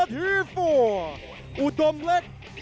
คนนี้มาจากอำเภออูทองจังหวัดสุภัณฑ์บุรีนะครับ